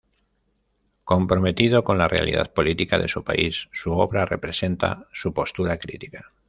Comprometido con la realidad política de su país, su obra representa su postura crítica.